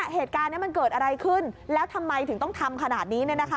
เหตุการณ์นี้มันเกิดอะไรขึ้นแล้วทำไมถึงต้องทำขนาดนี้